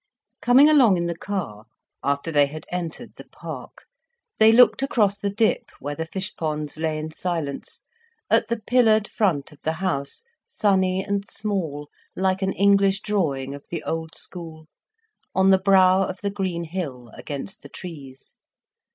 Coming along in the car, after they had entered the park, they looked across the dip, where the fish ponds lay in silence, at the pillared front of the house, sunny and small like an English drawing of the old school, on the brow of the green hill, against the trees.